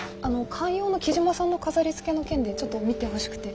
観葉の木島さんの飾りつけの件でちょっと見てほしくて。